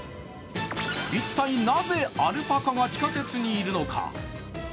一体なぜアルパカが地下鉄にいるのか。